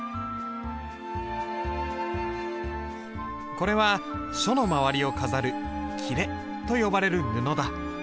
これは書の周りを飾る裂と呼ばれる布だ。